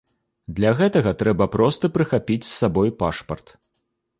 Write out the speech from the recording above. Для гэтага трэба проста прыхапіць з сабой пашпарт.